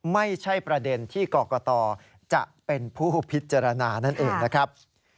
ไม่ใช่ประเด็นที่กรกตจะเป็นผู้พิจารณานั่นเองนะครับ